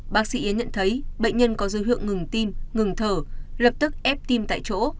bác sĩ yến nhận thấy bệnh nhân có dấu hiệu ngừng tim ngừng thở lập tức ép tim tại chỗ